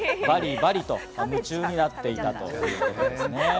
バリバリと夢中になっていたということです。